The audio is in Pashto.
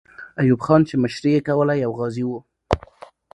ایوب خان چې مشري یې کوله، یو غازی وو.